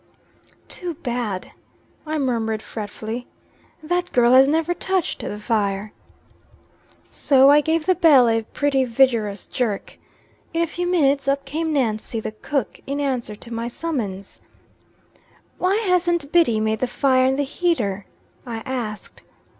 "Too bad!" I murmured fretfully, "that girl has never touched the fire." So I gave the bell a pretty vigorous jerk. In a few minutes up came Nancy, the cook, in answer to my summons. "Why hasn't Biddy made the fire in the heater?" I asked.